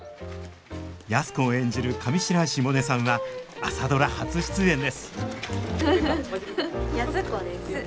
安子を演じる上白石萌音さんは「朝ドラ」初出演です安子です。